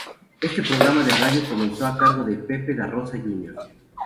Este programa de radio comenzó a cargo de Pepe Da-Rosa Jr.